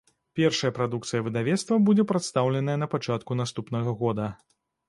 Першая прадукцыя выдавецтва будзе прадстаўленая на пачатку наступнага года.